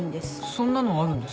そんなのあるんですね。